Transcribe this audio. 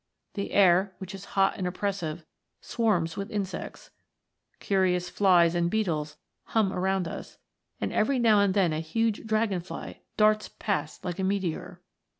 The air, which is hot and oppressive, swarms with insects ; curious flies and beetles hum around us, and every now and then a huge dragon fly darts past like a meteor.